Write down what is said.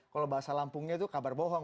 kalau bahasa lampungnya itu kabar bohong